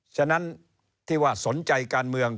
ฉะนั้นที่ว่าสนใจการเมือง